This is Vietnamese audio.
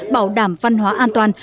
bảo đảm văn hóa an toàn